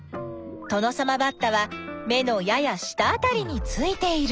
トノサマバッタは目のやや下あたりについている。